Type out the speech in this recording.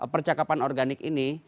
percakapan organik ini